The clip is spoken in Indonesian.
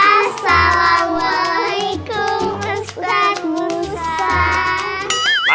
assalamualaikum ustaz musa